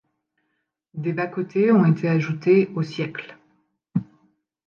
Des bas-côtés ont été ajoutés au siècle.